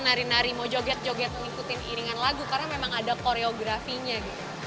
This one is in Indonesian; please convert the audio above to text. nari nari mau joget joget ngikutin iringan lagu karena memang ada koreografinya gitu